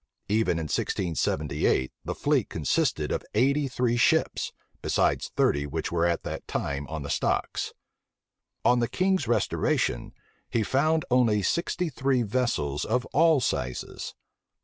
Even in 1678, the fleet consisted of eighty three ships;[*] besides thirty which were at that time on the stocks. On the king's restoration, he found only sixty three vessels of all sizes.